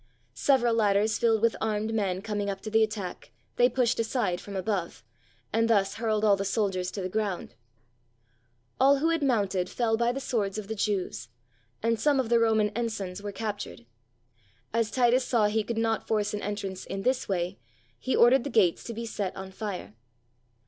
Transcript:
Several ladders filled with armed men coming up to the attack they pushed aside from above, and thus hurled all the soldiers to the ground. All who had mounted fell by the swords of the Jews, and some of the Roman ensigns were captured. As Titus saw he 598 THE BURNING OF THE TEMPLE could not force an entrance in this way, "he ordered the gates to be set on fire.